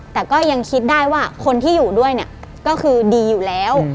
แต่ก็ยังคิดได้ว่าคนที่อยู่ด้วยเนี่ยก็คือดีอยู่แล้ว